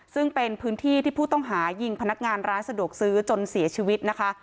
ซึ่งเป็นพื้นที่ที่ผู้ต้องหายิงพนักงานร้านสะดวกซื้อจนเสียชีวิตนะคะ